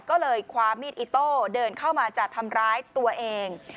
ก็เลยคว้ามีดอิโต้เดินเข้ามาจะทำร้ายตัวเอง